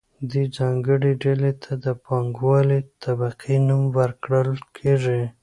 دې ځانګړې ډلې ته د پانګوالې طبقې نوم ورکول کیږي.